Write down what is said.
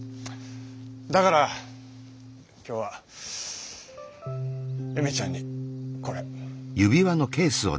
だから今日は恵美ちゃんにこれ。